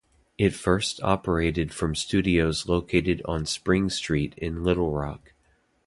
It first operated from studios located on Spring Street in Little Rock.